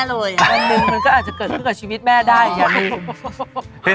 อันหนึ่งมันก็อาจจะเกิดขึ้นกับชีวิตแม่ได้อย่างนี้